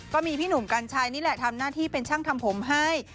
ก็มีพี่หนุ่มกัญชัยนี่แหละทำหน้าที่เป็นช่างทำผมให้